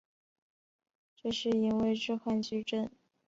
这是因为置换矩阵的行列式等于相应置换的符号。